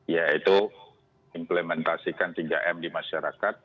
yaitu implementasikan tiga m di masyarakat